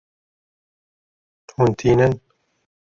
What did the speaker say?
Hûn tînin.